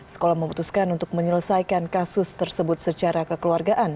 sekolah memutuskan untuk menyelesaikan kasus tersebut secara kekeluargaan